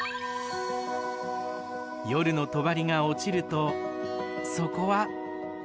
夜のとばりが落ちるとそこは。